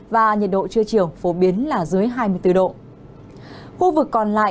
và nhiệt độ trưa chiều phổ biến là dưới hai mươi bốn độ